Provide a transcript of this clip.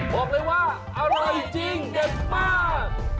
บอกเลยว่าอร่อยจริงเด็ดมาก